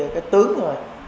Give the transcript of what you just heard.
cái tướng thôi